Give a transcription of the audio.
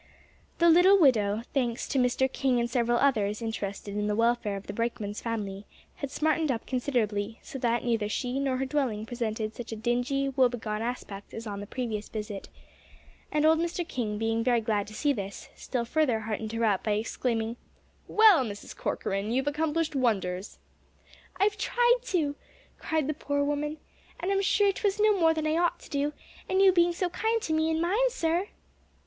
The little widow, thanks to Mr. King and several others interested in the welfare of the brakeman's family, had smartened up considerably, so that neither she nor her dwelling presented such a dingy, woe begone aspect as on the previous visit. And old Mr. King, being very glad to see this, still further heartened her up by exclaiming, "Well, Mrs. Corcoran, you've accomplished wonders." "I've tried to," cried the poor woman, "and I'm sure 'twas no more than I ought to do, and you being so kind to me and mine, sir."